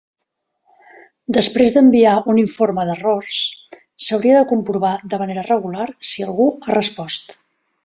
Després d'enviar un informe d'errors, s'hauria de comprovar de manera regular si algú ha respost.